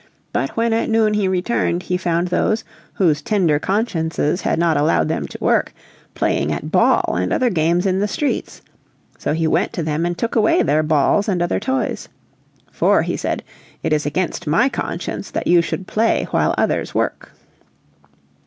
But when at noon he returned he found those, whose tender consciences had not allowed them to work, playing at ball and other games in the streets. So he went to them, and took away their balls and other toys. "For," said he, "it is against my conscience that you should play while others work."